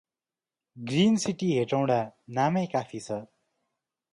Green city Hetauda नामै coffee छ ।